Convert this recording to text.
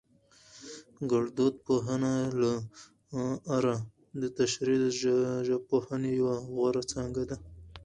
ګړدود پوهنه له اره دتشريحي ژبپوهنې يوه غوره څانګه ده